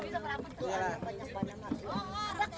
iya jauh jauh aja lah